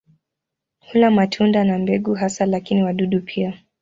Hula matunda na mbegu hasa lakini wadudu pia.